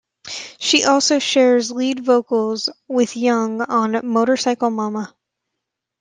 She also shares lead vocals with Young on "Motorcycle Mama".